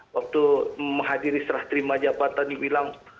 waktu menghadiri serah terima jabatan dibilang